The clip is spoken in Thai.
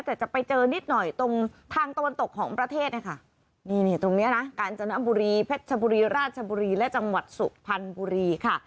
แต่จะไปเจอนิดหน่อยตรงทางตะวันตกของประเทศนะคะนี่นี่ตรงเนี้ยนะกาญจนบุรีเพชรชบุรีราชบุรีและจังหวัดสุพรรณบุรีค่ะ